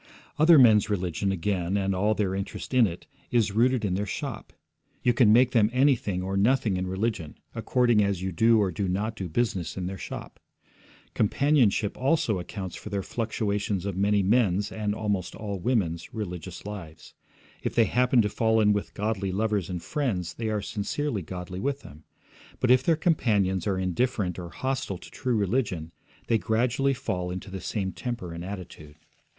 Other men's religion, again, and all their interest in it, is rooted in their shop; you can make them anything or nothing in religion, according as you do or do not do business in their shop. Companionship, also, accounts for the fluctuations of many men's, and almost all women's, religious lives. If they happen to fall in with godly lovers and friends, they are sincerely godly with them; but if their companions are indifferent or hostile to true religion, they gradually fall into the same temper and attitude.